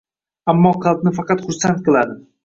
Ammo qalbni faqat xursand qiladi.